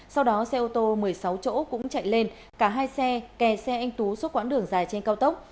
sau đó xe ô tô một mươi sáu chỗ cũng chạy lên cả hai xe kè xe anh tú suốt quãng đường dài trên cao tốc